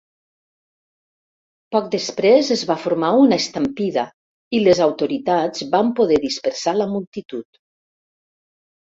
Poc després, es va formar una estampida i les autoritats van poder dispersar la multitud.